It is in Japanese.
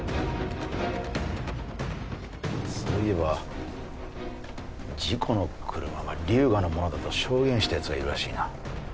そういえば事故の車は龍河のものだと証言した奴がいるらしいな。